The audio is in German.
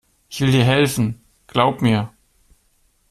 Ich will dir helfen, glaub mir.